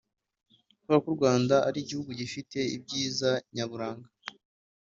kubera ko u Rwanda ari igihugu gifite ibyiza nyaburanga